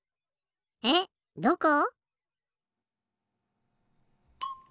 えっどこ？